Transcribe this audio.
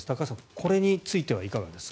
これについてはいかがですか？